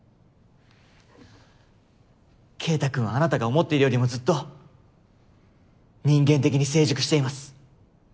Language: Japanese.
慧太くんはあなたが思っているよりもずっと人間的に成熟しています。